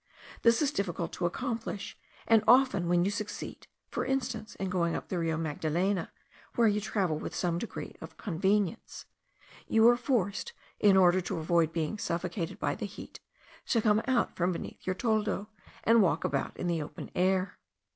This is difficult to accomplish; and often when you succeed (for instance, in going up the Rio Magdalena, where you travel with some degree of convenience), you are forced, in order to avoid being suffocated by the heat, to come out from beneath your toldo, and walk about in the open air.